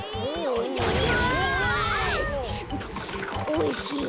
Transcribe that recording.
おいしい。